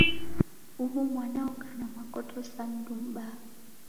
Uhu mwana oka na makoto sa mundu mbaha.